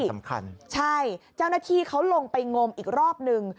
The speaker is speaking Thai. ชิ้นส่วนสำคัญใช่เจ้าหน้าที่เขาลงไปงมอีกรอบหนึ่ง